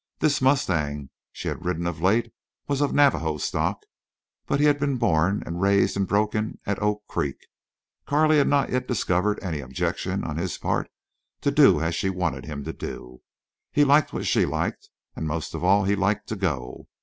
This mustang she had ridden of late was of Navajo stock, but he had been born and raised and broken at Oak Creek. Carley had not yet discovered any objection on his part to do as she wanted him to. He liked what she liked, and most of all he liked to go.